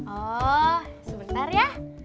oh sebentar ya